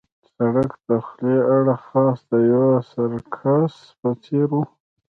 د سړک دخولي اړخ خاص د یوه سرکس په څېر وو.